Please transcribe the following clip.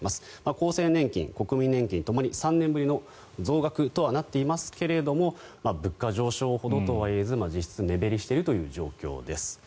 厚生年金、国民年金ともに３年ぶりの増額とはなっていますが物価上昇ほどとはいえず実質目減りしているという状況です。